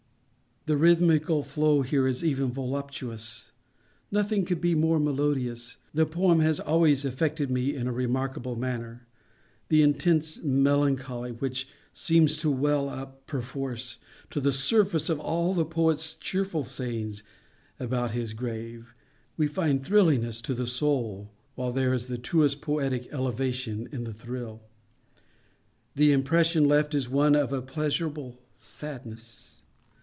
The rhythmical flow here is even voluptuous—nothing could be more melodious. The poem has always affected me in a remarkable manner. The intense melancholy which seems to well up, perforce, to the surface of all the poet's cheerful sayings about his grave, we find thrilling us to the soul—while there is the truest poetic elevation in the thrill. The impression left is one of a pleasurable sadness.